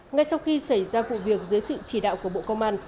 ngay sau khi xảy ra vụ việc dưới sự chỉ đạo của bộ công an